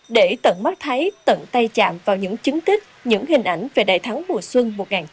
để tận mắt thấy tận tay chạm vào những chứng tích những hình ảnh về đại thắng mùa xuân một nghìn chín trăm bảy mươi năm